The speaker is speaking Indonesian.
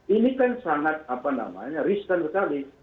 ini kan sangat riskan sekali